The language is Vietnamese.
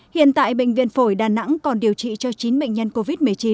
hiện tại bệnh viện phổi đà nẵng còn điều trị cho chín bệnh nhân covid một mươi chín